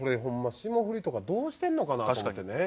霜降りとかどうしてんのかなと思ってね。